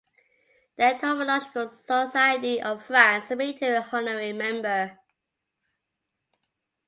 The Entomological Society of France made him an honorary member.